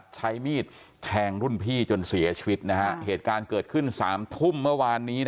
ใช้มีดแทงรุ่นพี่จนเสียชีวิตเหตุการณ์เกิดขึ้น๓ทุ่มเมื่อวานนี้